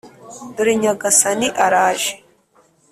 dore nyagasani araje